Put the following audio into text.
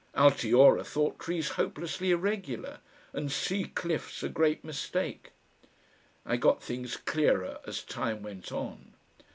Altiora thought trees hopelessly irregular and sea cliffs a great mistake.... I got things clearer as time went on.